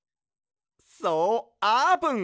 そうあーぷん！